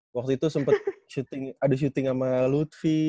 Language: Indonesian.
waktu itu sempet ada syuting sama lutfi